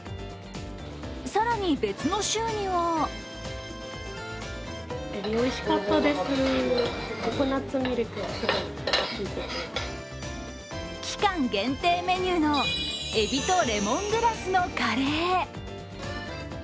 更に別の週には期間限定メニューのエビとレモングラスのカレー。